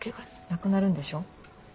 なくなるんでしょ？